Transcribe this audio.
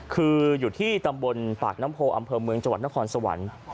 คืออยู่ที่ตำบลปากน้ำโพอำเภอเมืองจังหวัดนครสวรรค์